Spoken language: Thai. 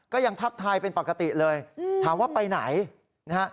ก็ยังทักทายเป็นปกติเลยถามว่าไปไหน